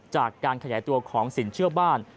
จากการขยายตัวของสินเชื่อบ้าน